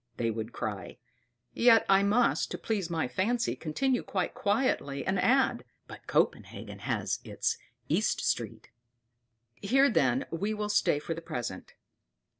they would cry; yet I must, to please my fancy, continue quite quietly, and add: "But Copenhagen has its East Street." Here, then, we will stay for the present.